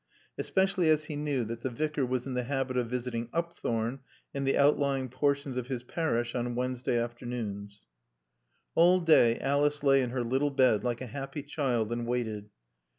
Especially as he knew that the Vicar was in the habit of visiting Upthorne and the outlying portions of his parish on Wednesday afternoons. All day Alice lay in her little bed like a happy child and waited.